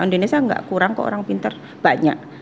indonesia gak kurang kok orang pintar banyak